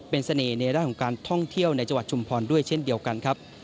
เป็นเสน่ห์ในด้านของการท่องเที่ยวในจังหวัดชุมพรด้วยเช่นเดียวกันครับ